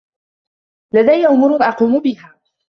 لديّ أمور أقوم بها.